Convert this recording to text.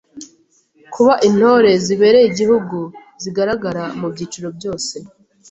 kuba Intore zibereye Igihugu zigaragara mu byiciro byose